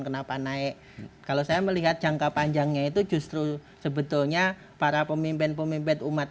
kenapa naik kalau saya melihat jangka panjangnya itu justru sebetulnya para pemimpin pemimpin umat